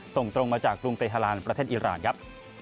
ส่งตรงมาจากกรุงเตฮาลานประเทศอิราณครับ